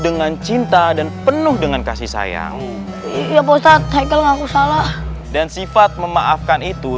dengan cinta dan penuh dengan kasih sayang ya bosat hekel ngaku salah dan sifat memaafkan itu